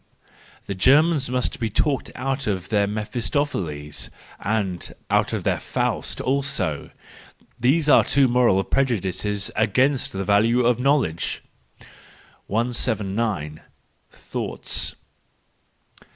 —The Germans must be talked out of their Mephistopheles—and out of their Faust also. These are two moral prejudices against the value of knowledge. 179. Thoughts.